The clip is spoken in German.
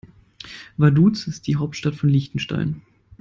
Vaduz ist die Hauptstadt von Liechtenstein.